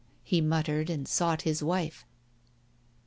" he muttered, and sought his wife.